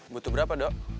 butuh berapa dok